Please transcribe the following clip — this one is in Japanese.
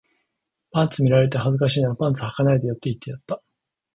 パンツ見られて恥ずかしいならパンツ履かないでよって言ってやった